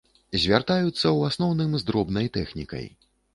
Звяртаюцца, у асноўным, з дробнай тэхнікай.